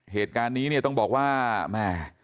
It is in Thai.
เหตุการณ์นี้ต้องบอกว่า